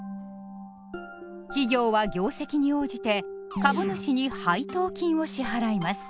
企業は業績に応じて株主に配当金を支払います。